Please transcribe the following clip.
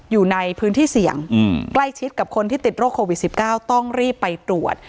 อยู่ในพื้นที่เสี่ยงใกล้ชิดกับคนที่ติดโรคโควิด๑๙ต้องรีบไปตรวจ